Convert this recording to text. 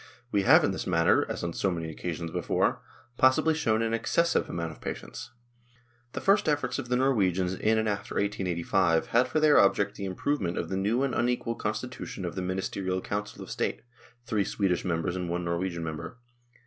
We have in this matter, as on so many occasions before, possibly shown an excessive amount of patience. The first efforts of the Norwegians in and after 1885 had for their object the improvement of the new and unequal constitution of the Ministerial Council of State (three Swedish members and one Norwegian member).